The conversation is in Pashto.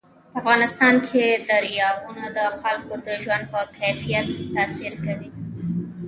په افغانستان کې دریابونه د خلکو د ژوند په کیفیت تاثیر کوي.